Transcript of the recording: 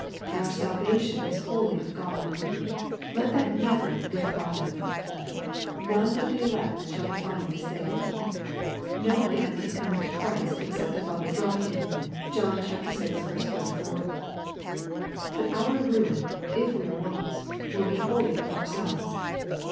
Our salvation is wholly of God. Let that never be forgotten. None but the elect shall be finally saved. "No man can come unto Christ except the Father draw him." (John vi. 44.) But our ruin, if we are lost, will be wholly of ourselves.